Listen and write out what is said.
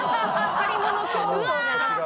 借り物競走じゃなくて？